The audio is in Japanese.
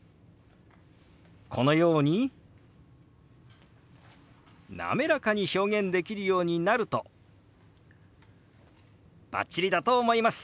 このように滑らかに表現できるようになるとバッチリだと思います。